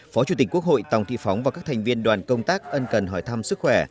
phó chủ tịch quốc hội tòng thị phóng và các thành viên đoàn công tác ân cần hỏi thăm sức khỏe